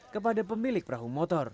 kepada pemilik perahu motor